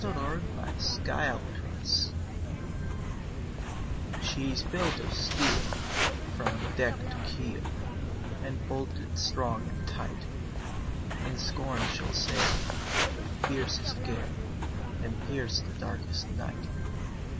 THE WORD OF AN ENGINEER "She's built of steel From deck to keel, And bolted strong and tight; In scorn she'll sail The fiercest gale, And pierce the darkest night.